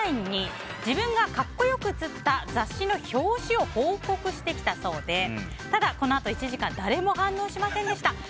ＬＩＮＥに自分が格好良く写った雑誌の表紙を報告してきたそうでただ、このあと１時間誰も反応しませんでした。